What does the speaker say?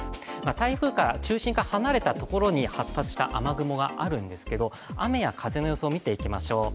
台風の中心から離れたところに発達した雨雲があるんですけど雨や風の予想を見ていきましょう。